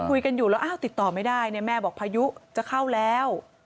คุยกันอยู่แล้วอ้าวติดต่อไม่ได้เนี่ยแม่บอกพายุจะเข้าแล้ว